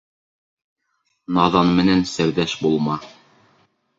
Наҙан менән серҙәш булма.